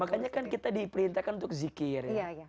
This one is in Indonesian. ya makanya kan kita diperintahkan untuk zikir ya